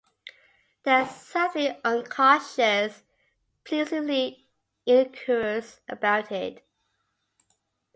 There's something unconscious, pleasantly innocuous about it.